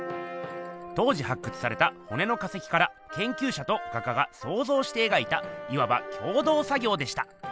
当時発掘されたほねの化石からけんきゅうしゃと画家がそうぞうして描いたいわば共同作業でした。